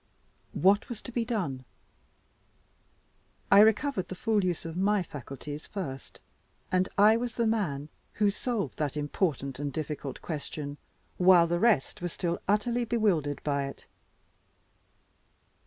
What was to be done? I recovered the full use of my faculties first; and I was the man who solved that important and difficult question, while the rest were still utterly bewildered by it.